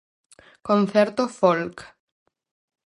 Concerto folk.